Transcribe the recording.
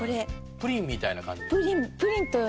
プリンみたいな感じ？